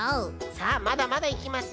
さあまだまだいきますよ。